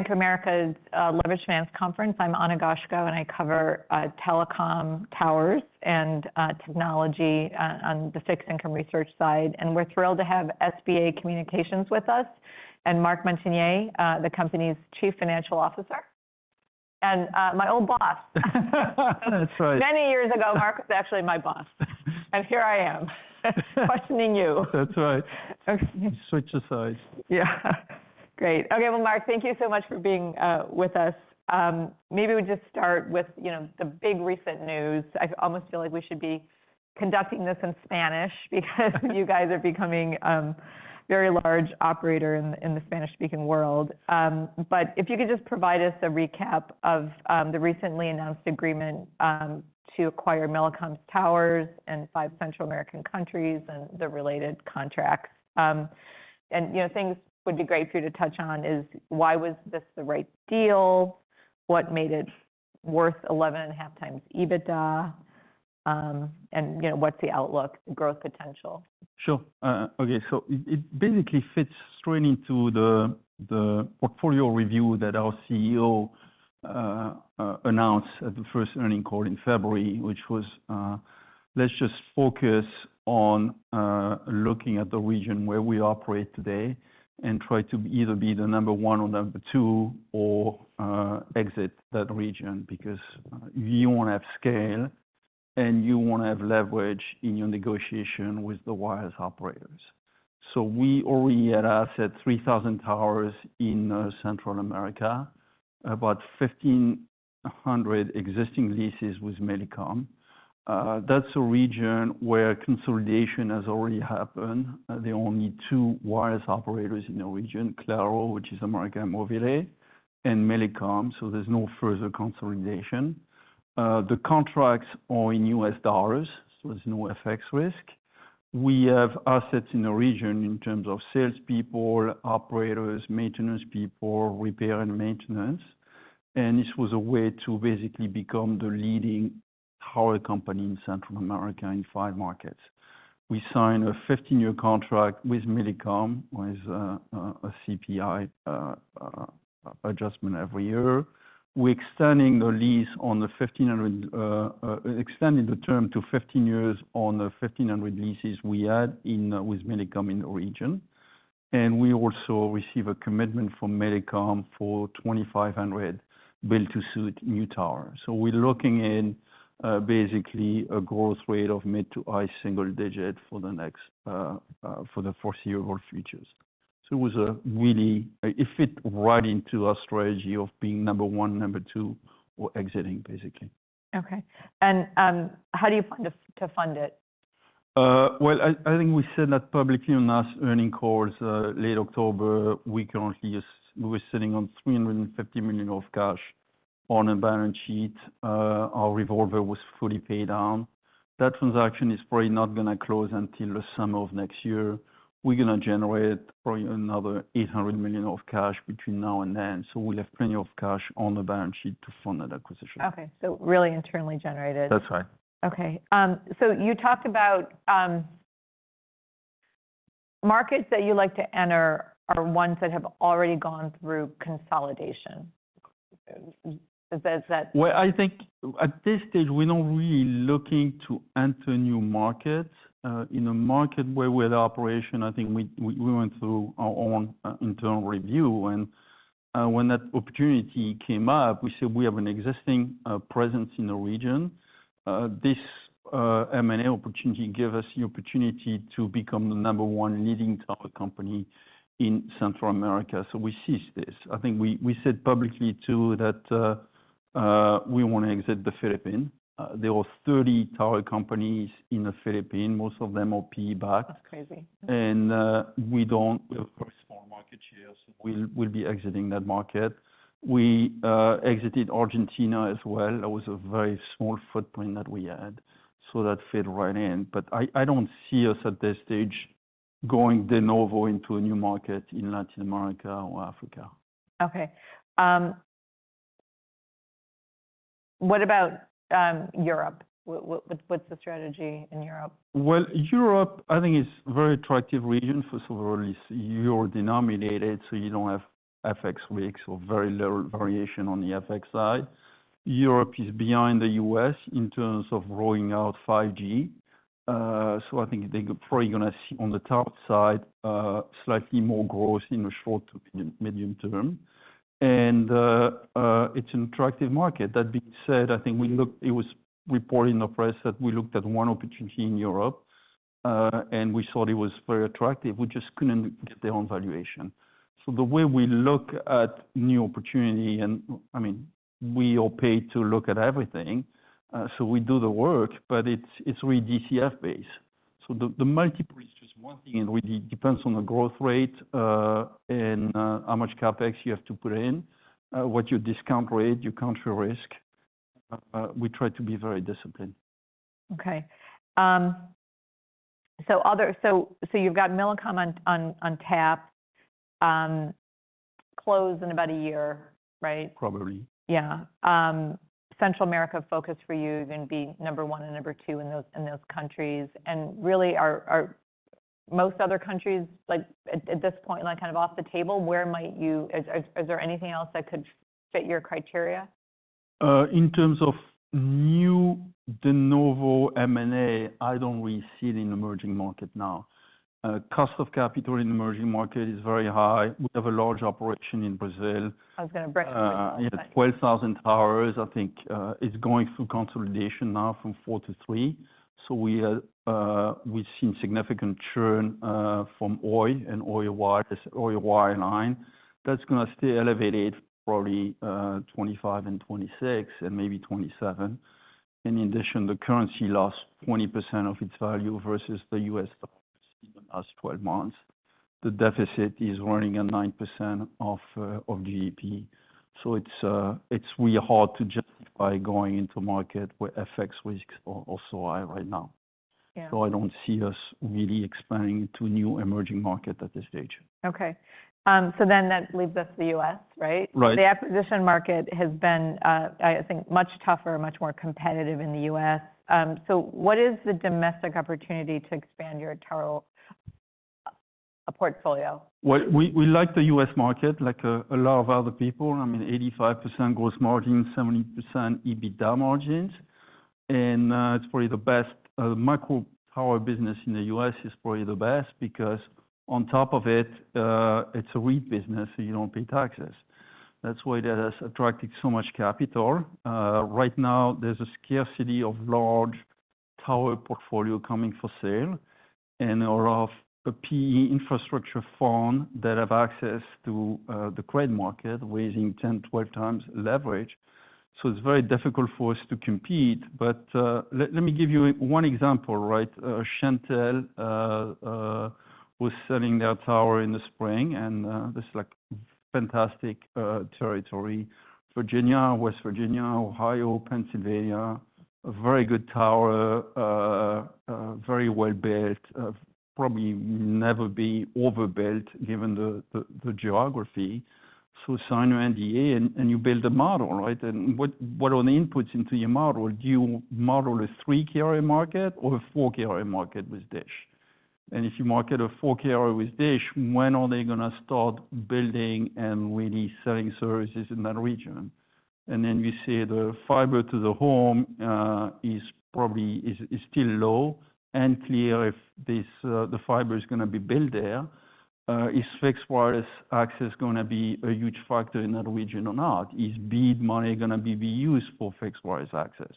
Bank of America's Leveraged Finance Conference. I'm Ana Goshko, and I cover telecom towers and technology on the fixed income research side. We're thrilled to have SBA Communications with us and Marc Montagner, the company's Chief Financial Officer, and my old boss. That's right. Many years ago, Marc was actually my boss, and here I am questioning you. That's right. OK. Switched sides. Yeah. Great. OK, well, Marc, thank you so much for being with us. Maybe we just start with the big recent news. I almost feel like we should be conducting this in Spanish because you guys are becoming a very large operator in the Spanish-speaking world. But if you could just provide us a recap of the recently announced agreement to acquire Millicom's towers in five Central American countries and the related contracts. And things would be great for you to touch on is, why was this the right deal? What made it worth 11.5 times EBITDA? And what's the outlook, the growth potential? Sure. OK, so it basically fits straight into the portfolio review that our CEO announced at the first earnings call in February, which was, let's just focus on looking at the region where we operate today and try to either be the number one or number two or exit that region because you want to have scale, and you want to have leverage in your negotiation with the wireless operators. So we already had assets, 3,000 towers in Central America, about 1,500 existing leases with Millicom. That's a region where consolidation has already happened. There are only two wireless operators in the region, Claro, which is América Móvil and Millicom, so there's no further consolidation. The contracts are in U.S. dollars, so there's no FX risk. We have assets in the region in terms of salespeople, operators, maintenance people, repair and maintenance. This was a way to basically become the leading tower company in Central America in five markets. We signed a 15-year contract with Millicom with a CPI adjustment every year. We're extending the term to 15 years on the 1,500 leases we had with Millicom in the region. And we also received a commitment from Millicom for 2,500 built-to-suit new towers. So we're looking at basically a growth rate of mid- to high-single-digitfor the foreseeable future. So it was a really, it fit right into our strategy of being number one, number two, or exiting, basically. OK. And how do you plan to fund it? I think we said that publicly on last earnings calls late October. We currently were sitting on $350 million of cash on a balance sheet. Our revolver was fully paid down. That transaction is probably not going to close until the summer of next year. We're going to generate probably another $800 million of cash between now and then. We'll have plenty of cash on the balance sheet to fund that acquisition. OK, so really internally generated. That's right. OK. So you talked about markets that you like to enter are ones that have already gone through consolidation. Is that? I think at this stage, we're not really looking to enter new markets. In a market where we had operations, I think we went through our own internal review. And when that opportunity came up, we said we have an existing presence in the region. This M&A opportunity gave us the opportunity to become the number one leading tower company in Central America. So we seized this. I think we said publicly, too, that we want to exit the Philippines. There are 30 tower companies in the Philippines. Most of them are PE backed. That's crazy. And we don't, we have a very small market share, so we'll be exiting that market. We exited Argentina as well. That was a very small footprint that we had. So that fit right in. But I don't see us at this stage going de novo into a new market in Latin America or Africa. OK. What about Europe? What's the strategy in Europe? Europe, I think, is a very attractive region for SBA lease. Euro-denominated, so you don't have FX risks or very little variation on the FX side. Europe is behind the US in terms of rolling out 5G. So I think they're probably going to see on the top side slightly more growth in the short to medium term. It's an attractive market. That being said, it was reported in the press that we looked at one opportunity in Europe, and we thought it was very attractive. We just couldn't get their own valuation. So the way we look at new opportunity, and I mean, we are paid to look at everything. So we do the work, but it's really DCF-based. So the multiple is just one thing, and it really depends on the growth rate and how much CapEx you have to put in, what your discount rate, your country risk. We try to be very disciplined. OK. So you've got Millicom on tap, close in about a year, right? Probably. Yeah. Central America focus for you is going to be number one and number two in those countries. And really, are most other countries at this point kind of off the table? Where might you, is there anything else that could fit your criteria? In terms of new de novo M&A, I don't really see it in the emerging market now. Cost of capital in the emerging market is very high. We have a large operation in Brazil. I was going to bring it up. Yeah, 12,000 towers, I think, is going through consolidation now from four to three. So we've seen significant churn from Oi and Oi wireline. That's going to stay elevated probably 2025 and 2026, and maybe 2027. And in addition, the currency lost 20% of its value versus the US dollar last 12 months. The deficit is running at 9% of GDP. So it's really hard to justify going into a market where FX risks are so high right now. So I don't see us really expanding into new emerging markets at this stage. OK. So then that leaves us the U.S., right? Right. The acquisition market has been, I think, much tougher, much more competitive in the U.S. So what is the domestic opportunity to expand your tower portfolio? We like the U.S. market, like a lot of other people. I mean, 85% gross margins, 70% EBITDA margins, and it's probably the best. The macro tower business in the U.S. is probably the best because on top of it, it's a REIT business, so you don't pay taxes. That's why that has attracted so much capital. Right now, there's a scarcity of large tower portfolio coming for sale and a lot of PE infrastructure funds that have access to the trade market, raising 10, 12 times leverage, so it's very difficult for us to compete, but let me give you one example, right? Shentel was selling their tower in the spring, and this is like fantastic territory. Virginia, West Virginia, Ohio, Pennsylvania, a very good tower, very well built, probably never be overbuilt given the geography. So sign an NDA, and you build a model, right? And what are the inputs into your model? Do you model a three carrier market or a four carrier market with DISH? And if you model a four carrier with DISH, when are they going to start building and really selling services in that region? And then you see the fiber to the home is probably still low. Unclear if the fiber is going to be built there. Is fixed wireless access going to be a huge factor in that region or not? Is bid money going to be used for fixed wireless access?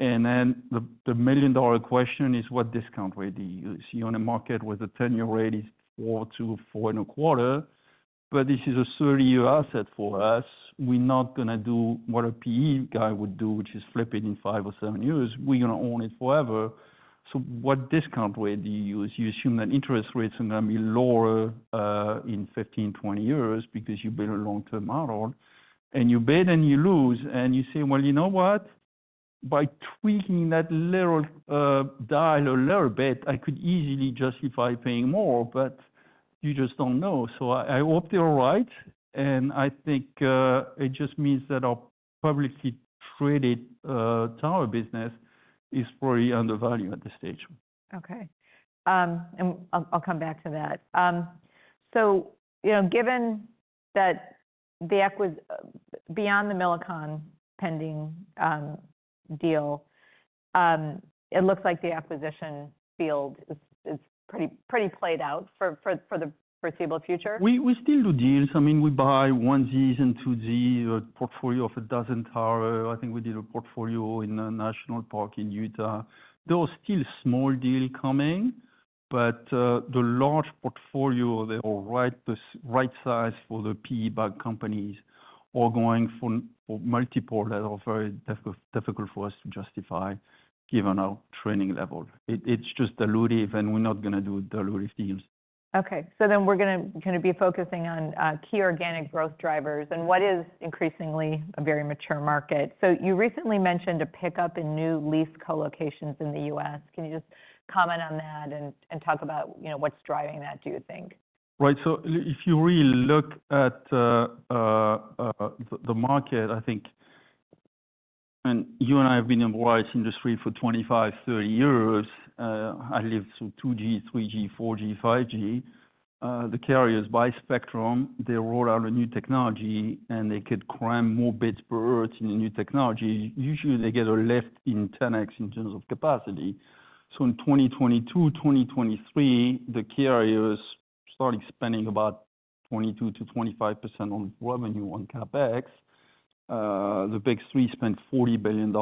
And then the million-dollar question is, what discount rate do you use? You're in a market where the 10-year rate is 4%-4.25%. But this is a 30-year asset for us. We're not going to do what a PE guy would do, which is flip it in five or seven years. We're going to own it forever. So what discount rate do you use? You assume that interest rates are going to be lower in 15, 20 years because you build a long-term model. And you bid and you lose. And you say, well, you know what? By tweaking that little dial a little bit, I could easily justify paying more. But you just don't know. So I opted right. And I think it just means that our publicly traded tower business is probably undervalued at this stage. OK. And I'll come back to that. So given that beyond the Millicom pending deal, it looks like the acquisition field is pretty played out for the foreseeable future. We still do deals. I mean, we buy 1G and 2G, a portfolio of a dozen towers. I think we did a portfolio in a national park in Utah. There are still small deals coming. But the large portfolio, they are right size for the PE backed companies or going for multiple that are very difficult for us to justify given our trading level. It's just dilutive, and we're not going to do dilutive deals. OK. So then we're going to be focusing on key organic growth drivers and what is increasingly a very mature market. So you recently mentioned a pickup in new lease colocations in the U.S. Can you just comment on that and talk about what's driving that, do you think? Right. So if you really look at the market, I think, I mean, you and I have been in the wireless industry for 25, 30 years. I lived through 2G, 3G, 4G, 5G. The carriers buy spectrum. They roll out a new technology, and they could cram more bits per hertz in a new technology. Usually, they get a lift in 10x in terms of capacity. So in 2022, 2023, the carriers started spending about 22%-25% of revenue on CapEx. The big three spent $40 billion in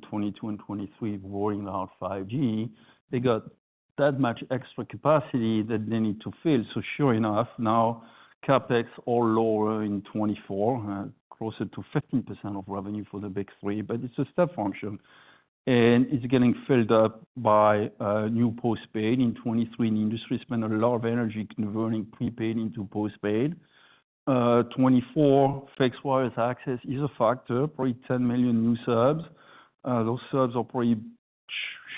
2022 and 2023 rolling out 5G. They got that much extra capacity that they need to fill. So sure enough, now CapEx all lower in 2024, closer to 15% of revenue for the big three, but it's a step function, and it's getting filled up by new postpaid. In 2023, the industry spent a lot of energy converting prepaid into postpaid. 2024, fixed wireless access is a factor, probably 10 million new subs. Those subs are probably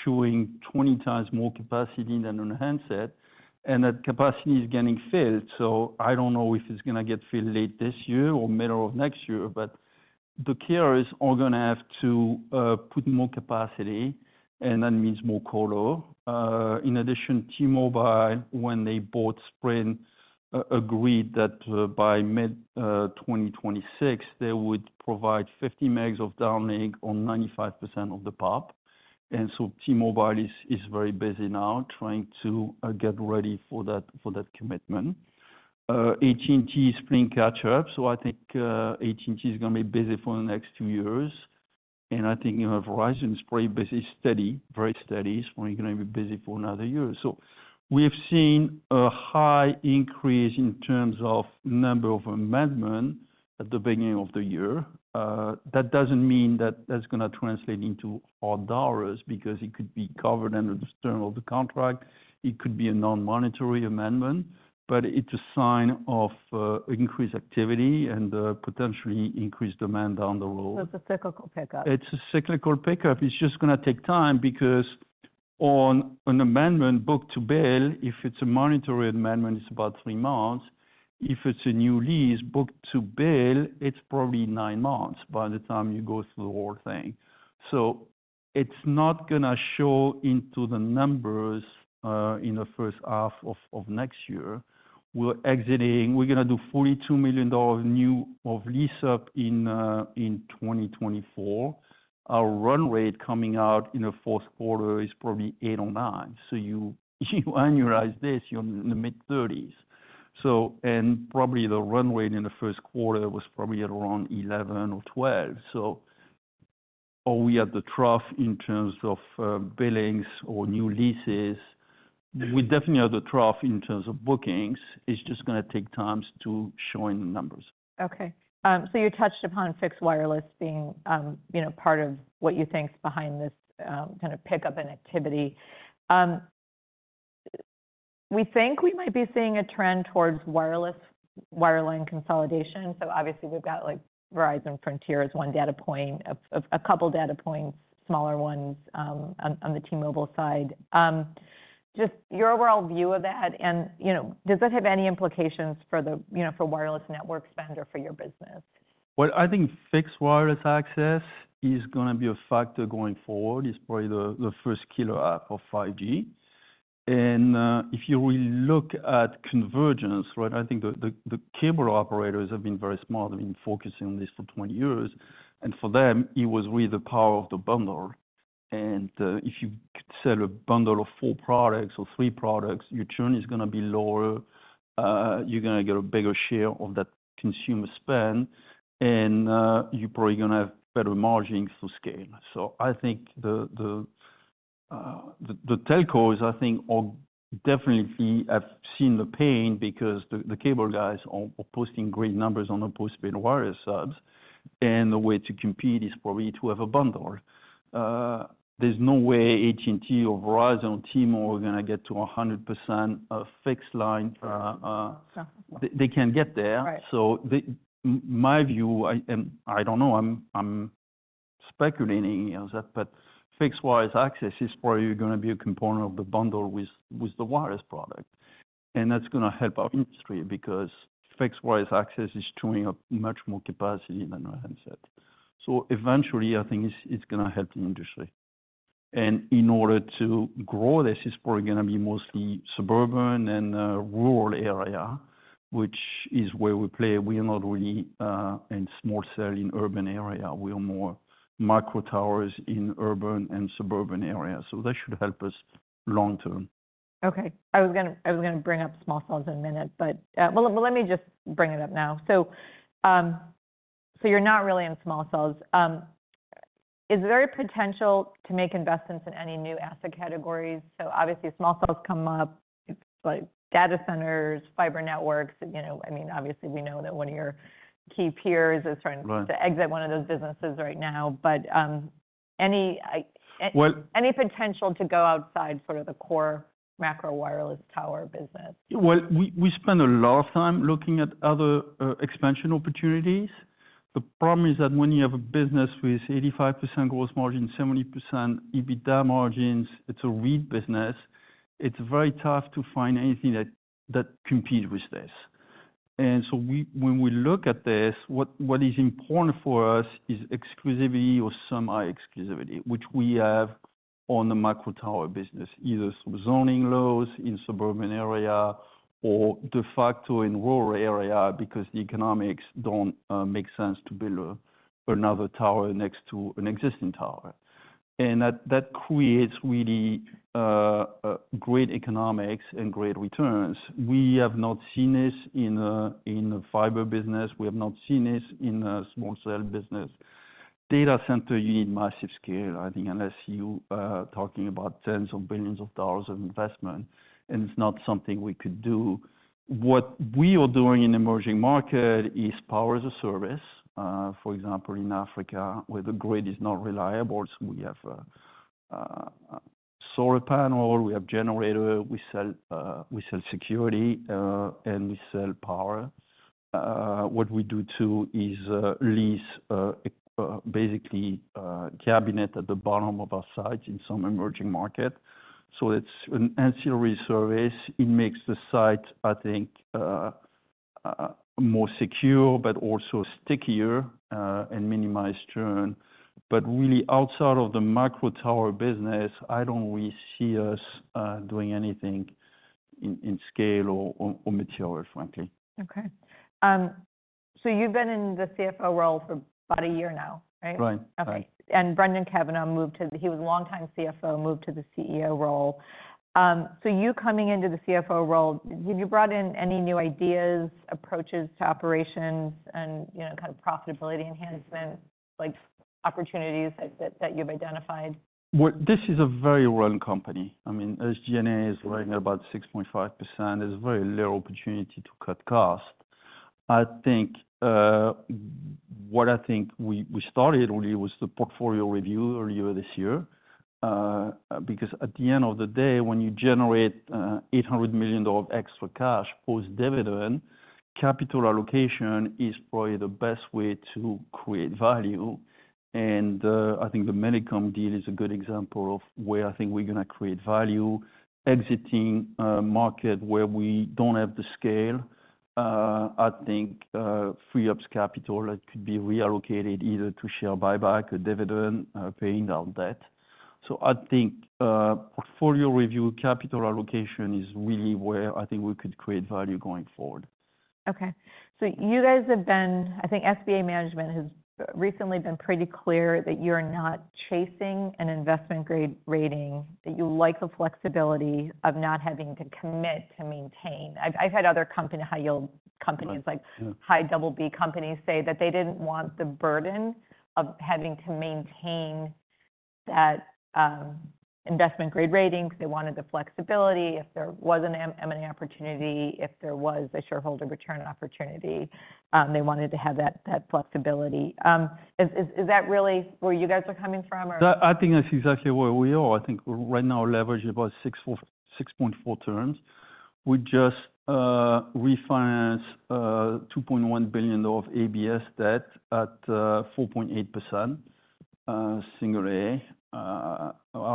showing 20 times more capacity than on a handset, and that capacity is getting filled, so I don't know if it's going to get filled late this year or middle of next year, but the carriers are going to have to put more capacity, and that means more colo. In addition, T-Mobile, when they bought Sprint, agreed that by mid-2026, they would provide 50 megs of downlink on 95% of the pop, and so T-Mobile is very busy now trying to get ready for that commitment. AT&T is playing catch-up, so I think AT&T is going to be busy for the next two years, and I think Verizon is probably busy, steady, very steady. It's probably going to be busy for another year. So we have seen a high increase in terms of number of amendments at the beginning of the year. That doesn't mean that that's going to translate into hard dollars because it could be covered under the terms of the contract. It could be a non-monetary amendment. But it's a sign of increased activity and potentially increased demand down the road. So it's a cyclical pickup. It's a cyclical pickup. It's just going to take time because on an amendment booked to bill, if it's a monetary amendment, it's about three months. If it's a new lease booked to bill, it's probably nine months by the time you go through the whole thing. So it's not going to show into the numbers in the first half of next year. We're exiting. We're going to do $42 million of lease up in 2024. Our run rate coming out in the fourth quarter is probably eight or nine. So you annualize this, you're in the mid-30s. And probably the run rate in the first quarter was probably at around 11 or 12. So are we at the trough in terms of billings or new leases? We definitely are at the trough in terms of bookings. It's just going to take time to show in the numbers. OK. So you touched upon fixed wireless being part of what you think's behind this kind of pickup in activity. We think we might be seeing a trend towards wireless wireline consolidation. So obviously, we've got Verizon Frontier as one data point, a couple data points, smaller ones on the T-Mobile side. Just your overall view of that, and does that have any implications for wireless network spend or for your business? I think fixed wireless access is going to be a factor going forward. It's probably the first killer app of 5G. And if you really look at convergence, right, I think the cable operators have been very smart. They've been focusing on this for 20 years. And for them, it was really the power of the bundle. And if you could sell a bundle of four products or three products, your churn is going to be lower. You're going to get a bigger share of that consumer spend. And you're probably going to have better margins to scale. So I think the telcos, I think, definitely have seen the pain because the cable guys are posting great numbers on the postpaid wireless subs. And the way to compete is probably to have a bundle. There's no way AT&T or Verizon or T-Mobile are going to get to 100% fixed line. They can't get there, so my view, and I don't know, I'm speculating here, but fixed wireless access is probably going to be a component of the bundle with the wireless product, and that's going to help our industry because fixed wireless access is showing up much more capacity than a handset, so eventually, I think it's going to help the industry, and in order to grow this, it's probably going to be mostly suburban and rural area, which is where we play. We are not really a small cell in urban area. We are more micro towers in urban and suburban areas, so that should help us long term. OK. I was going to bring up small cells in a minute. But let me just bring it up now. So you're not really in small cells. Is there a potential to make investments in any new asset categories? So obviously, small cells come up, like data centers, fiber networks. I mean, obviously, we know that one of your key peers is trying to exit one of those businesses right now. But any potential to go outside sort of the core macro wireless tower business? We spend a lot of time looking at other expansion opportunities. The problem is that when you have a business with 85% gross margin, 70% EBITDA margins, it's a REIT business. It's very tough to find anything that competes with this. When we look at this, what is important for us is exclusivity or semi-exclusivity, which we have on the micro tower business, either through zoning laws in suburban area or de facto in rural area because the economics don't make sense to build another tower next to an existing tower. That creates really great economics and great returns. We have not seen this in the fiber business. We have not seen this in the small cell business. Data center, you need massive scale. I think unless you are talking about tens of billions of dollars of investment, and it's not something we could do. What we are doing in emerging markets is power as a service. For example, in Africa, where the grid is not reliable, so we have solar panels, we have generators, we sell security, and we sell power. What we do too is lease basically cabinets at the bottom of our sites in some emerging markets. So it's an ancillary service. It makes the site, I think, more secure, but also stickier and minimize churn. But really, outside of the micro tower business, I don't really see us doing anything in scale or material, frankly. OK. So you've been in the CFO role for about a year now, right? Right. OK. And Brendan Cavanagh, who was a longtime CFO, moved to the CEO role. So you, coming into the CFO role, have you brought in any new ideas, approaches to operations, and kind of profitability enhancement opportunities that you've identified? This is a very lean company. I mean, SG&A is running at about 6.5%. There's very little opportunity to cut costs. I think what we started really was the portfolio review earlier this year. Because at the end of the day, when you generate $800 million of extra cash post-dividend, capital allocation is probably the best way to create value. And I think the Millicom deal is a good example of where I think we're going to create value, exiting a market where we don't have the scale. I think frees up capital that could be reallocated either to share buyback or dividend, paying down debt. So I think portfolio review, capital allocation is really where I think we could create value going forward. OK. So you guys have been. I think SBA management has recently been pretty clear that you're not chasing an investment grade rating, that you like the flexibility of not having to commit to maintain. I've had other high-yield companies, like high BB companies, say that they didn't want the burden of having to maintain that investment grade rating. They wanted the flexibility if there was an M&A opportunity, if there was a shareholder return opportunity. They wanted to have that flexibility. Is that really where you guys are coming from? I think that's exactly where we are. I think right now, leverage about 6.4 turns. We just refinanced $2.1 billion of ABS debt at 4.8%, single-A. Out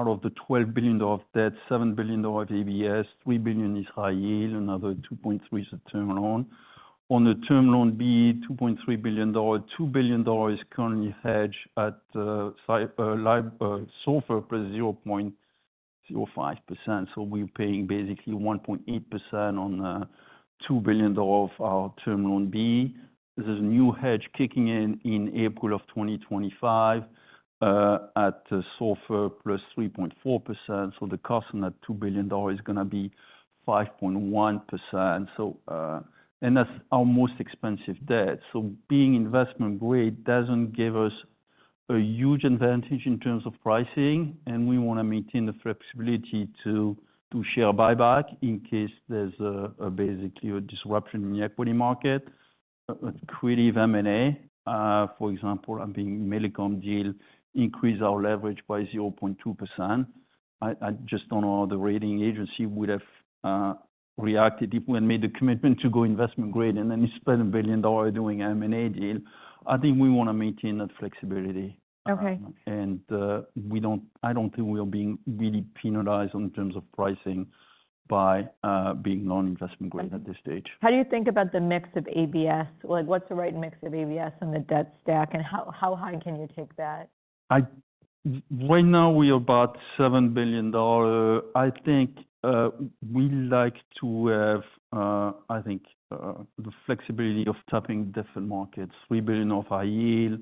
of the $12 billion of debt, $7 billion of ABS, $3 billion is high yield, another $2.3 is a term loan. On the Term Loan B, $2.3 billion, $2 billion is currently hedged at SOFR plus 0.05%. So we're paying basically 1.8% on $2 billion of our Term Loan B. This is a new hedge kicking in in April of 2025 at SOFR plus 3.4%. So the cost on that $2 billion is going to be 5.1%. And that's our most expensive debt. So being investment grade doesn't give us a huge advantage in terms of pricing. And we want to maintain the flexibility to share buyback in case there's basically a disruption in the equity market. Creative M&A, for example, I think Millicom deal increased our leverage by 0.2%. I just don't know how the rating agency would have reacted if we had made the commitment to go investment grade and then spent $1 billion doing an M&A deal. I think we want to maintain that flexibility. And I don't think we are being really penalized in terms of pricing by being non-investment grade at this stage. How do you think about the mix of ABS? What's the right mix of ABS on the debt stack? And how high can you take that? Right now, we are about $7 billion. I think we like to have, I think, the flexibility of tapping different markets. $3 billion of high yield,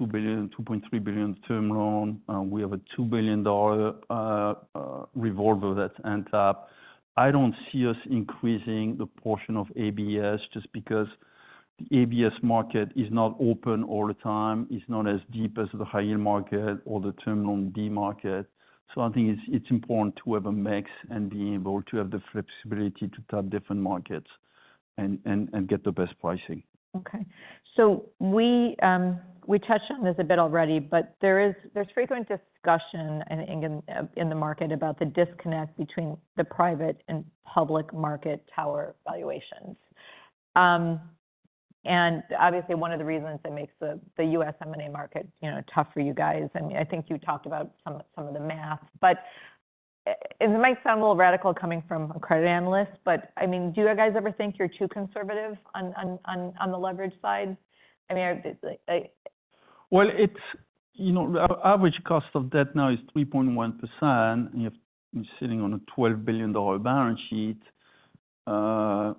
$2.3 billion term loan. We have a $2 billion revolver that's untapped. I don't see us increasing the portion of ABS just because the ABS market is not open all the time. It's not as deep as the high yield market or the Term Loan B market. So I think it's important to have a mix and be able to have the flexibility to tap different markets and get the best pricing. OK. So we touched on this a bit already. But there's frequent discussion in the market about the disconnect between the private and public market tower valuations. And obviously, one of the reasons that makes the U.S. M&A market tough for you guys. I mean, I think you talked about some of the math. But it might sound a little radical coming from a credit analyst. But I mean, do you guys ever think you're too conservative on the leverage side? You know the average cost of debt now is 3.1%. You're sitting on a $12 billion balance sheet. I'll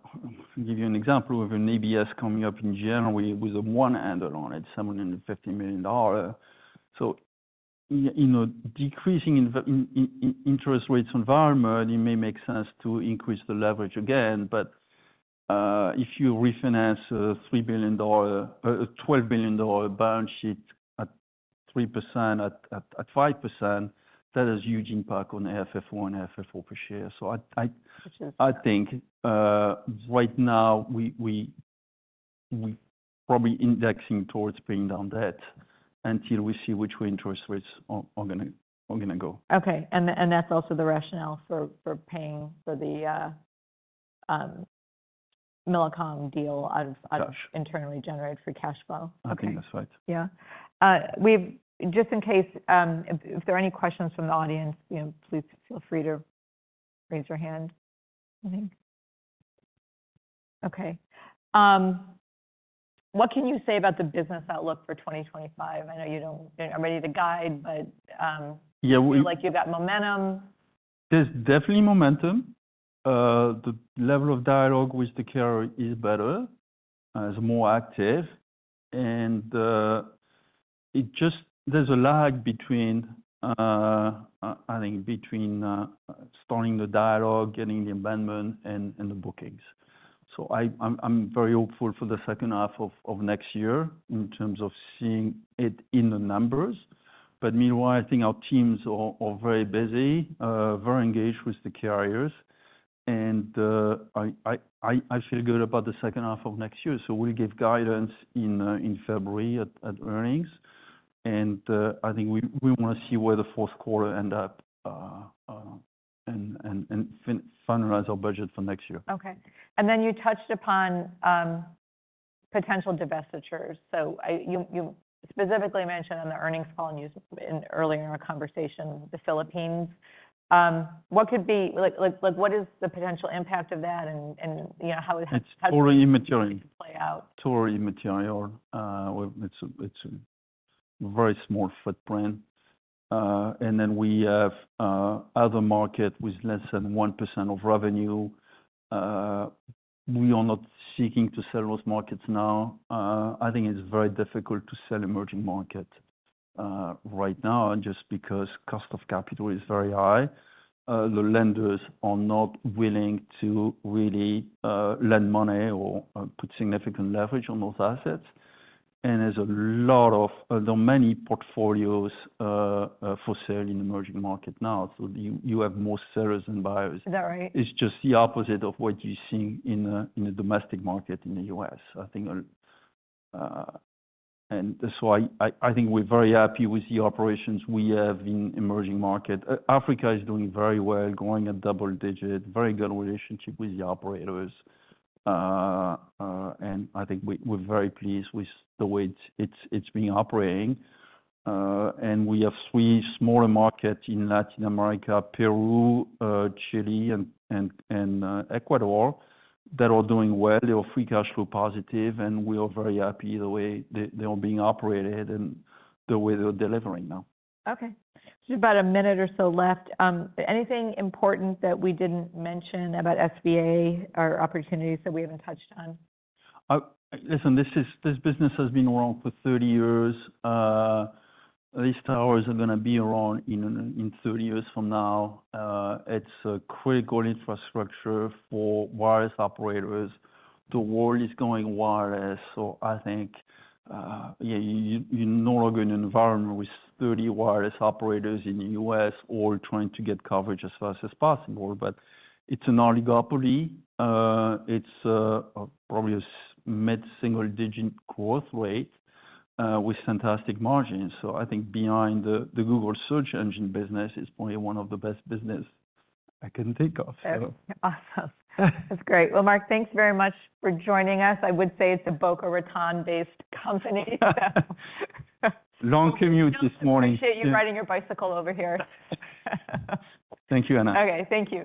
give you an example of an ABS coming up in January with a one handle on it, $750 million. So in a decreasing interest rates environment, it may make sense to increase the leverage again. But if you refinance a $12 billion balance sheet at 3%, at 5%, that has a huge impact on FFO and FFO per share. So I think right now, we're probably indexing towards paying down debt until we see which way interest rates are going to go. OK, and that's also the rationale for paying for the Millicom deal out of internally generated free cash flow. I think that's right. Yeah. Just in case if there are any questions from the audience, please feel free to raise your hand, I think. OK. What can you say about the business outlook for 2025? I know you're not ready to guide, but you feel like you've got momentum. There's definitely momentum. The level of dialogue with the carrier is better. It's more active. And there's a lag, I think, between starting the dialogue, getting the amendment, and the bookings. So I'm very hopeful for the second half of next year in terms of seeing it in the numbers. But meanwhile, I think our teams are very busy, very engaged with the carriers. And I feel good about the second half of next year. So we'll give guidance in February at earnings. And I think we want to see where the fourth quarter ends up and finalize our budget for next year. OK. And then you touched upon potential divestitures. So you specifically mentioned on the earnings call earlier in our conversation the Philippines. What is the potential impact of that? And how would. It's totally immaterial. Play out? Totally immaterial. It's a very small footprint. And then we have other markets with less than 1% of revenue. We are not seeking to sell those markets now. I think it's very difficult to sell emerging markets right now just because cost of capital is very high. The lenders are not willing to really lend money or put significant leverage on those assets. And there are many portfolios for sale in emerging markets now. So you have more sellers than buyers. Is that right? It's just the opposite of what you're seeing in the domestic market in the U.S. I think. And so I think we're very happy with the operations we have in emerging markets. Africa is doing very well, going at double digit, very good relationship with the operators. And I think we're very pleased with the way it's been operating. And we have three smaller markets in Latin America: Peru, Chile, and Ecuador that are doing well. They are free cash flow positive. And we are very happy the way they are being operated and the way they're delivering now. OK. So we have about a minute or so left. Anything important that we didn't mention about SBA or opportunities that we haven't touched on? Listen, this business has been around for 30 years. These towers are going to be around in 30 years from now. It's a critical infrastructure for wireless operators. The world is going wireless. So I think you're no longer in an environment with 30 wireless operators in the U.S. all trying to get coverage as fast as possible. But it's an oligopoly. It's probably a mid-single digit growth rate with fantastic margins. So I think behind the Google search engine business is probably one of the best businesses I can think of. That's awesome. That's great. Well, Marc, thanks very much for joining us. I would say it's a Boca Raton-based company. Long commute this morning. I appreciate you riding your bicycle over here. Thank you, Ana. OK. Thank you.